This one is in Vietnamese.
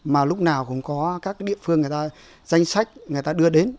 mà lúc nào cũng có các địa phương danh sách người ta đưa đến